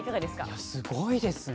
いやすごいですね。